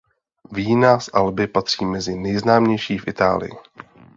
Vína z Alby patří mezi nejznámější v Itálii.